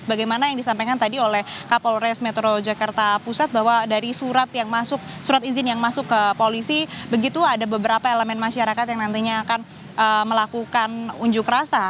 sebagaimana yang disampaikan tadi oleh kapolres metro jakarta pusat bahwa dari surat yang masuk surat izin yang masuk ke polisi begitu ada beberapa elemen masyarakat yang nantinya akan melakukan unjuk rasa